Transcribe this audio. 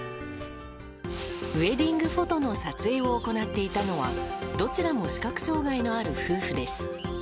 ウェディングフォトの撮影を行っていたのはどちらも視覚障害のある夫婦です。